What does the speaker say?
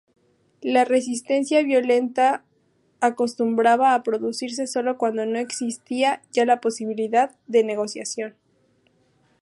La resistencia violenta acostumbraba a producirse sólo cuando no existía ya posibilidad de negociación.